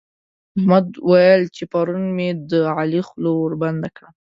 احمد ويل چې پرون مې د علي خوله وربنده کړه.